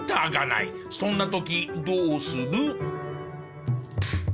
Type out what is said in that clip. そんな時どうする？